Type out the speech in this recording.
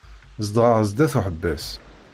Zedɣeɣ sdat uḥebbas.